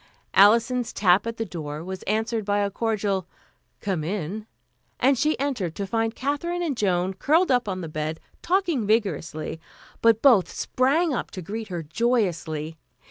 Alison's tap at the door was answered by a cordial "Come in," and she entered, to find Katherine and Joan curled up on the bed, talking vigorously, but both sprang up to greet her joyously.